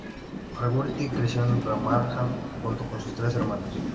Barghouti creció en Ramallah, junto con sus tres hermanos.